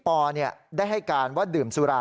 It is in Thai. ปอได้ให้การว่าดื่มสุรา